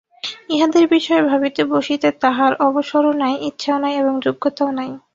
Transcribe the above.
ইহাদের বিষয়ে ভাবিতে বসিতে তাঁহার অবসরও নাই, ইচ্ছাও নাই এবং যোগ্যতাও নাই।